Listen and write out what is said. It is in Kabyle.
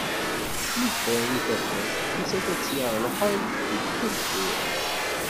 Mi d-tefrari tafat, nettat ad tt-yaɣ lḥal deg tebḥirt.